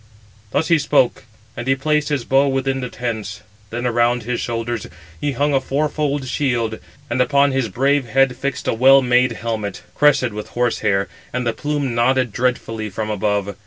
Thus he spoke; and he placed his bow within the tents. Then around his shoulders he hung a four fold shield, and upon his brave head fixed a well made helmet, crested with horse hair, and the plume nodded dreadfully from above.